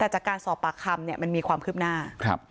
แต่จากการสอบปากคำมันมีความคืบหน้า